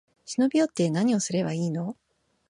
忍び寄って、なにをすればいいの？